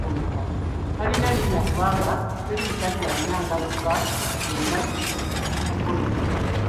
Talina linnya kubanga teri musajja alina ngalo nga zonna ziri ku mukono gumu.